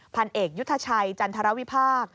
พันเอกยุทชัยจันทรวีภาค